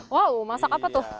wow masak apa tuh